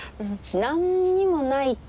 何にもないって。